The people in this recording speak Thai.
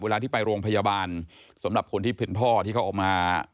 ที่ไปโรงพยาบาลสำหรับคนที่เป็นพ่อที่เขาออกมา